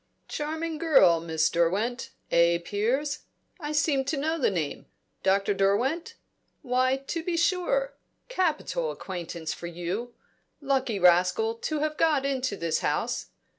"Charming girl, Miss Derwent eh, Piers? I seem to know the name Dr. Derwent? Why, to be sure! Capital acquaintance for you. Lucky rascal, to have got into this house.